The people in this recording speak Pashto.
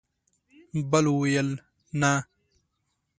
بل وویل: نه!